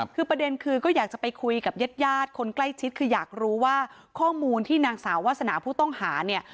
คือประเด็นคือก็อยากจะไปคุยกับญาติญาติคนใกล้ชิดคืออยากรู้ว่าข้อมูลที่นางสาววาสนาผู้ต้องหาเนี่ย